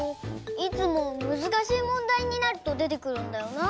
いつもむずかしいもんだいになるとでてくるんだよな。